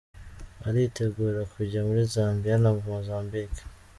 Baritegura kujya muri Zambia na Mozambique.